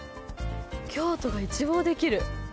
京都が一望できる。